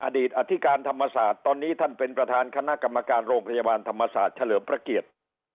อดีตอธิการธรรมศาสตร์ตอนนี้ท่านเป็นประธานคณะกรรมการโรงพยาบาลธรรมศาสตร์เฉลิมพระเกียรติ